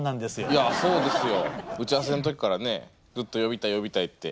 いやそうですよ。打ち合わせの時からねずっと呼びたい呼びたいって。